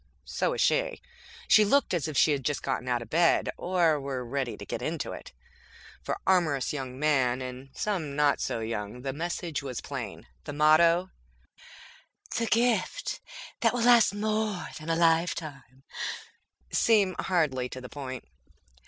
So was she. She looked as if she had just gotten out of bed, or were ready to get into it. For amorous young men, and some not so young, the message was plain. The motto, "The Gift That Will Last More Than a Lifetime", seemed hardly to the point.